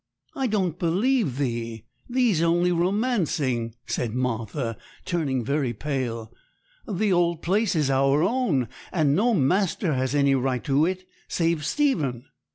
'I don't believe thee; thee's only romancing,' said Martha, turning very pale. 'The old place is our own, and no master has any right to it, save Stephen.'